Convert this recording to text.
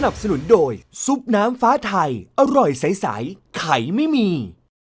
สนุนโดยซุปน้ำฟ้าไทยอร่อยใสไข่ไม่มี